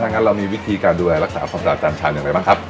งั้นเรามีวิธีการดูแลรักษาความสะอาดจานชามอย่างไรบ้างครับ